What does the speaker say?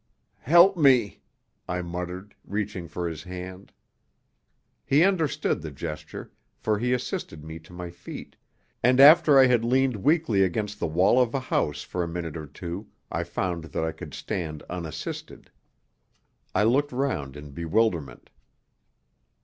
"Help me!" I muttered, reaching for his hand. He understood the gesture, for he assisted me to my feet, and, after I had leaned weakly against the wall of a house for a minute or two, I found that I could stand unassisted. I looked round in bewilderment.